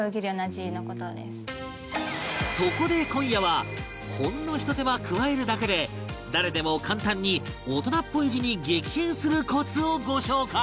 そこで今夜はほんのひと手間加えるだけで誰でも簡単に大人っぽい字に激変するコツをご紹介